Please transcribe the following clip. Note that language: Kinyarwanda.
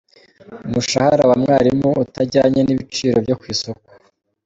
Umushahara wa mwarimu utajyanye n’ibiciro byo ku isoko.